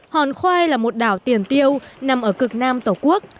hòn khoai là một đảo tiền tiêu nằm ở cực nam tổ quốc